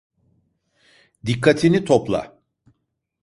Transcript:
Dikkatini topla!